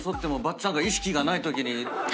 ちゃん意識がないときに。